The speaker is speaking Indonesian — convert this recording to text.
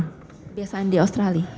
kebiasaan di australia